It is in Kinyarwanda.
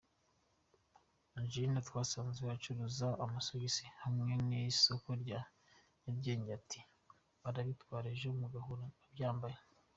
Angelina twasanze acuruza amasogisi hamwe n’Isoko rya Nyarugenge ati “Arabitwara ejo mugahura abyambaye.